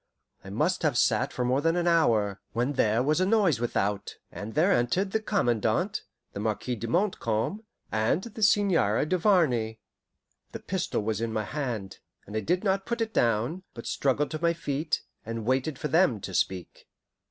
I must have sat for more than an hour, when there was a noise without, and there entered the Commandant, the Marquis de Montcalm, and the Seigneur Duvarney. The pistol was in my hand, and I did not put it down, but struggled to my feet, and waited for them to speak.